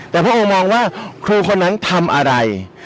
แต่พระองค์มองว่าครูคนนั้นทำอะไร